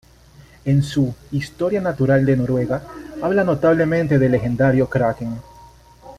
En su "Historia natural de Noruega" habla notablemente del legendario Kraken.